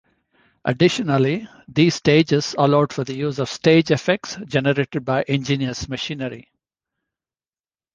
Additionally, these stages allowed for the use of stage effects generated by ingenious machinery.